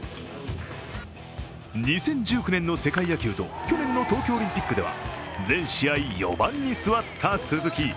２０１９年の世界野球と去年の東京オリンピックでは全試合４番に座った鈴木。